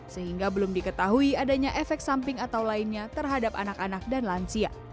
sehingga belum diketahui adanya efek samping atau lainnya terhadap anak anak dan lansia